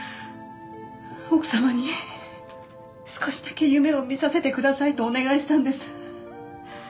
奥様に少しだけ夢を見させてくださいとお願いしたんです。